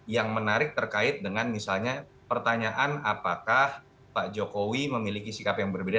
yang menarik terkait dengan misalnya pertanyaan apakah pak jokowi memiliki sikap yang berbeda